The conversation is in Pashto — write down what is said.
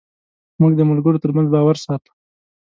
موږ د ملګرو تر منځ باور ساتو.